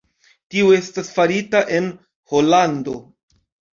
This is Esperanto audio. Tio estas farita en Holando.